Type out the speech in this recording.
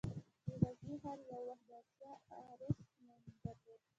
د غزني ښار یو وخت د «د اسیا عروس» نوم درلود